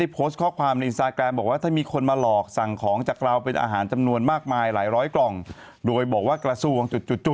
บอกมันเป็นกระซ่วง